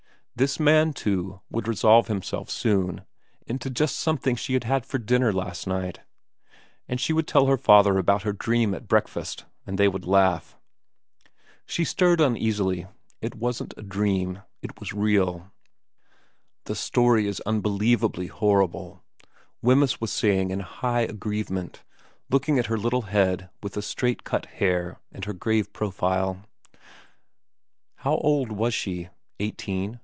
This man, too, would resolve himself soon into just something she had had for dinner last night, and she would tell her father about her dream at breakfast, and they would laugh. She stirred uneasily. It wasn't a dream. It was real. 4 The story is unbelievably horrible,' Wemyss was " VERA 13 saying in a high aggrievement, looking at her little head with the straight cut hair, and her grave profile. How old was she ? Eighteen